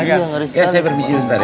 ya saya permisi sebentar ya